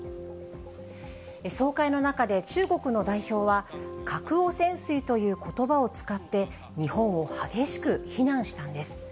総会の中で中国の代表は、核汚染水ということばを使って、日本を激しく非難したんです。